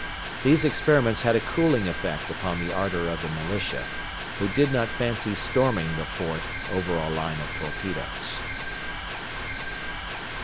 These experiments had a cooling effect upon the ardor of the militia, who did not fancy storming the fort over a line of torpedoes.